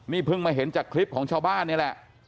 นี่เพิ่งมาเห็นจากคลิปของชาวบ้านนี่แหละ